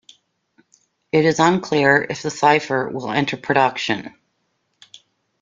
It is unclear if the Cypher will enter production.